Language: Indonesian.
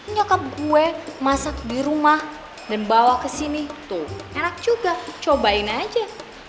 nyokap gue masak di rumah dan bawa ke sini tuh enak juga cobain aja